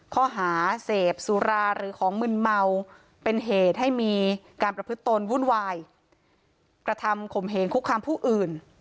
กระทำขมเหงคุกคามผู้อื่น